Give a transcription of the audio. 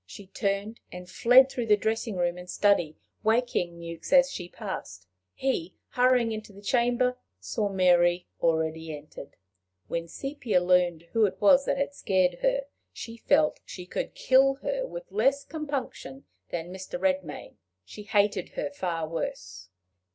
She turned and fled through the dressing room and study, waking Mewks as she passed. He, hurrying into the chamber, saw Mary already entered. When Sepia learned who it was that had scared her, she felt she could kill her with less compunction than Mr. Redmain. She hated her far worse.